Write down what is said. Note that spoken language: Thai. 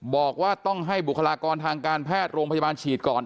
บอกว่าต้องให้บุคลากรทางการแพทย์โรงพยาบาลฉีดก่อน